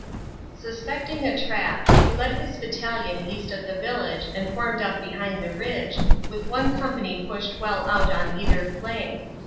Suspecting a trap, he led his battalion east of the village and formed up behind the ridge, with one company pushed well out on either flank.